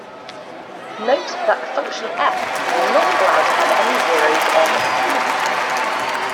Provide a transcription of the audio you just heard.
Note that the function "f" is not allowed to have any zeros on "U".